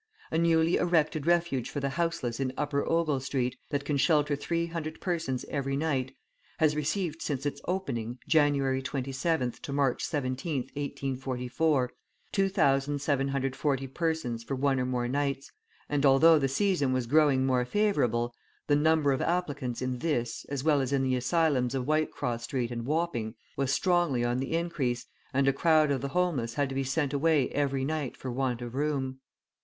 A newly erected Refuge for the Houseless in Upper Ogle Street, that can shelter three hundred persons every night, has received since its opening, January 27th to March 17th, 1844, 2,740 persons for one or more nights; and, although the season was growing more favourable, the number of applicants in this, as well as in the asylums of Whitecross Street and Wapping, was strongly on the increase, and a crowd of the homeless had to be sent away every night for want of room.